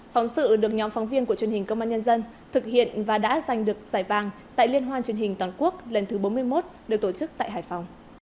phóng sự được nhóm phóng viên của truyền hình công an nhân dân thực hiện và đã giành được giải vàng tại liên hoan truyền hình toàn quốc lần thứ bốn mươi một được tổ chức tại hải phòng